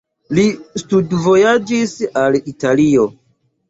Li studvojaĝis al Italio.